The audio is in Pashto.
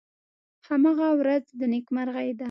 هماغه ورځ د نیکمرغۍ ده .